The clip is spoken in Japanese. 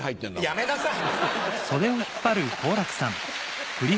やめなさい！